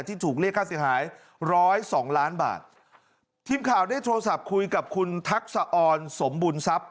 ที่ถูกเรียกค่าเสียหายร้อยสองล้านบาททีมข่าวได้โทรศัพท์คุยกับคุณทักษะออนสมบูรณทรัพย